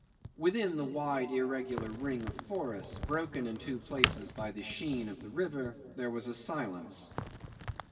Within the wide irregular ring of forests, broken in two places by the sheen of the river, there was a silence.